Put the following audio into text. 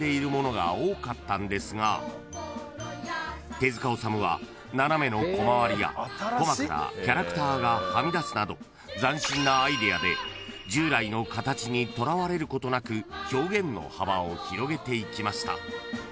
［手塚治虫は斜めのコマ割りやコマからキャラクターがはみ出すなど斬新なアイデアで従来の形にとらわれることなく表現の幅を広げていきました］